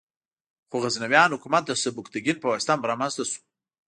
خو غزنویان حکومت د سبکتګین په واسطه رامنځته شو.